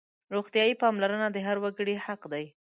روغتیايي پاملرنه د هر وګړي حق دی.